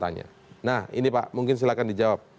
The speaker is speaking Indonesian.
nah ini pak mungkin silahkan dijawab